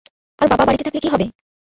আর বাবা বাড়িতে থাকলে কি হবে?